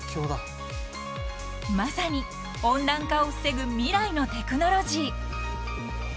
［まさに温暖化を防ぐ未来のテクノロジー］